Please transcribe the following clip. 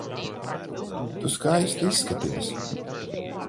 Tu skaisti izskaties.